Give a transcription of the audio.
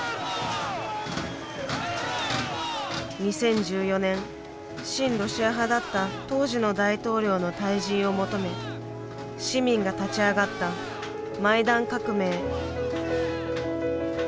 ２０１４年親ロシア派だった当時の大統領の退陣を求め市民が立ち上がったマイダン革命。